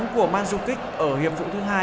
của manzoukic ở hiệp vụ thứ hai